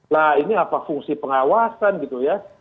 lah ini apa fungsi pengawasan gitu ya